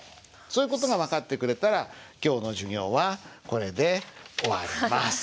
そういう事が分かってくれたら今日の授業はこれで終わります。